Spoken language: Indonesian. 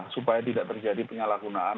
supaya tidak terjadi penyalahgunaan